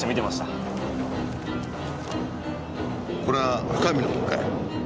これは深見のもんかい？